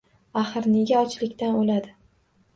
Axir... nega ochliqdan o‘ladi?